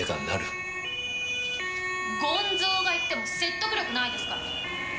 ゴンゾウが言っても説得力ないですから。